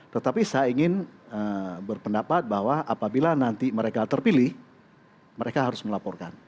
tetapi saya ingin berpendapat bahwa apabila nanti mereka terpilih mereka harus melaporkan